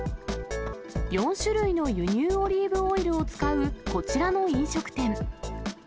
４種類の輸入オリーブオイルを使うこちらの飲食店。